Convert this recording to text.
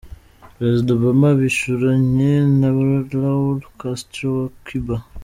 Prezida Obama bishuranye na Raul Castro wa Cuba.